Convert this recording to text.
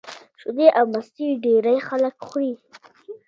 شیدې او مستې ډېری خلک خوري